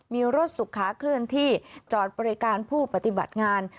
มีรถสุขาเคลื่อนที่จอดบริการผู้ปฏิบัติงาน